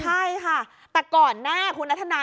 ใช่ค่ะ